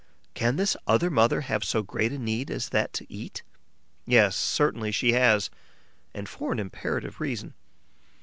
Can this other mother have so great a need as that to eat? Yes, certainly she has; and for an imperative reason.